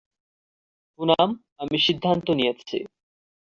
পুনাম, আমি সিদ্ধান্ত নিয়েছি!